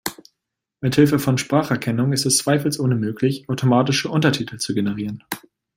Mithilfe von Spracherkennung ist es zweifelsohne möglich, automatische Untertitel zu generieren.